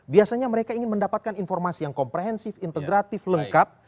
biasanya mereka ingin mendapatkan informasi yang komprehensif integratif lengkap